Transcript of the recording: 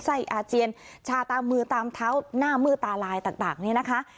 ไออาเจียนชาตามมือตามเท้าหน้ามืดตาลายต่างนี่นะคะ